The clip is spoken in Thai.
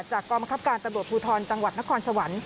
กรมคับการตำรวจภูทรจังหวัดนครสวรรค์